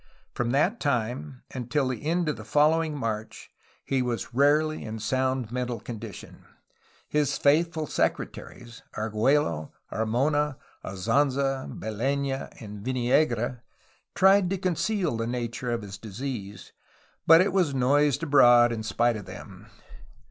From that time until the end of the following March he was rarely in sound mental condition. His faithful secretaries (Argliello, Armona, Azanza, Belena, and Viniegra) tried to conceal the nature of his disease, but it THE PACIFICATION OF SONORA 235 was noised abroad in spite of them.